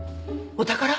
お宝？